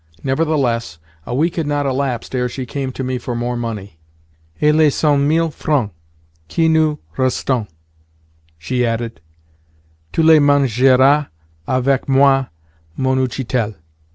Nevertheless, a week had not elapsed ere she came to me for more money. "Et les cent mille francs qui nous restent," she added, "tu les mangeras avec moi, mon utchitel."